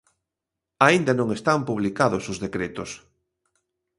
Aínda non están publicados os decretos.